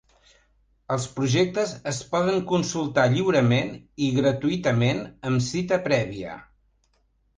Els projectes es poden consultar lliurament i gratuïtament amb cita prèvia.